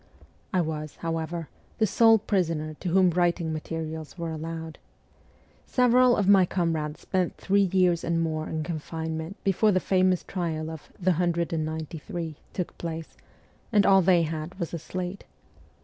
I was, however, the sole prisoner to whom writing materials were allowed. Several of my comrades spent three years and more in confinement before the famous trial of ' the hundred and ninety three ' took place, and all they had was a slate.